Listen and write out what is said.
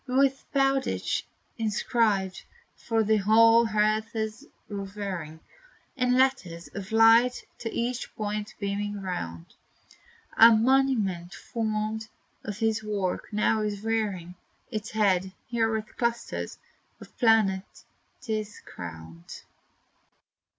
With BOWDITCH inscribed, for the whole earth's revering, In letters of light to each point beaming round, A monument formed of his works, now is rearing Its head, where with clusters of planets 't is crowned.